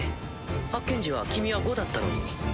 発見時は君は５だったのに。